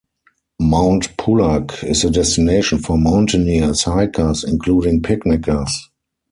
Mount Pulag is a destination for mountaineers, hikers, including picnickers.